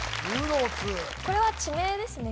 これは地名ですね